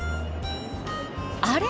あれ？